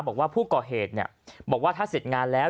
บอกว่าผู้ก่อเหตุบอกว่าถ้าเสร็จงานแล้ว